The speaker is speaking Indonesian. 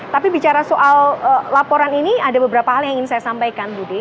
tapi bicara soal laporan ini ada beberapa hal yang ingin saya sampaikan budi